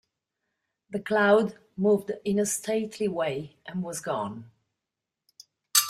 The cloud moved in a stately way and was gone.